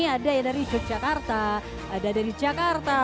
ada dari jakarta ada dari jakarta